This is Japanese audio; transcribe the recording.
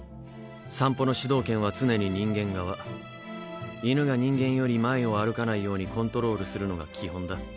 散歩の主導権は常に人間側犬が人間より前を歩かないようにコントロールするのが基本だ。